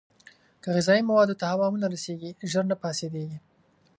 که غذايي موادو ته هوا ونه رسېږي، ژر نه فاسېدېږي.